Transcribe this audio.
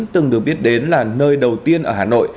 từng được biết đến là nơi đầu tiên ở hà nội